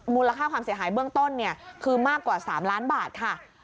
มูลค่าความเสียหายเบื้องต้นเนี่ยคือมากกว่า๓ล้านบาทค่ะ